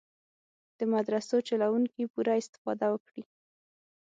د مدرسو چلوونکي پوره استفاده وکړي.